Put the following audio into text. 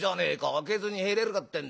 開けずに入れるかってんだ。